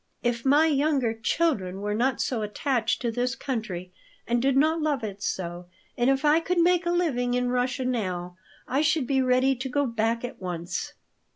If my younger children were not so attached to this country and did not love it so, and if I could make a living in Russia now, I should be ready to go back at once."